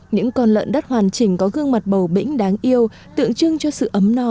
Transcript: những con lợn đất hoàn chỉnh có gương mặt bầu bĩnh đáng yêu tượng trưng cho sự ấm no